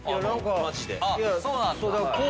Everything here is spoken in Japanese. マジで。